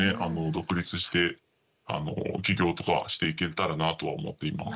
独立して起業とかしていけたらなぁとは思っています。